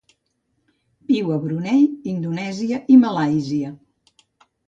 Viu a Brunei, Indonèsia i Malàisia.